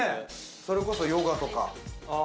それこそヨガとか？